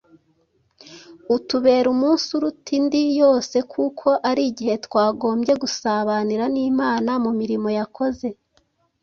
utubera umunsi uruta indi yose kuko ari igihe twagombye gusabanira n’Imana mu mirimo yakoze.